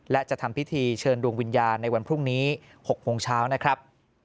และจะทำพิธีเชิญดวงวิญญาณในวันพรุ่งนี้๖โมงเช้านะครับ